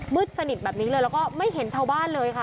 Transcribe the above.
สนิทแบบนี้เลยแล้วก็ไม่เห็นชาวบ้านเลยค่ะ